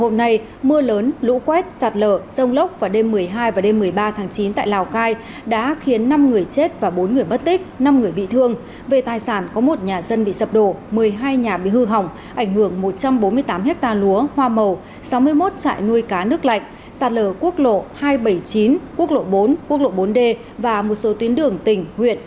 bức chạy nuôi cá nước lạnh sạt lờ quốc lộ hai trăm bảy mươi chín quốc lộ bốn quốc lộ bốn d và một số tuyến đường tỉnh huyện